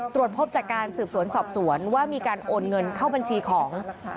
ตรวจพบจากการสืบสวนสอบสวนว่ามีการโอนเงินเข้าบัญชีของ